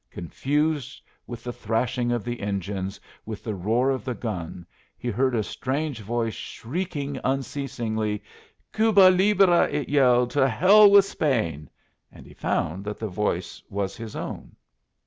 Confused with the thrashing of the engines, with the roar of the gun he heard a strange voice shrieking unceasingly: "Cuba libre!" it yelled. "To hell with Spain!" and he found that the voice was his own.